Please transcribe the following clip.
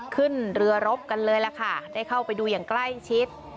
ขึ้นเรือรบกันเลยล่ะค่ะได้เข้าไปดูอย่างใกล้ชิด